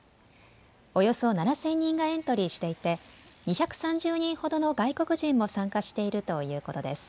およそ７０００人がエントリーしていて２３０人ほどの外国人も参加しているということです。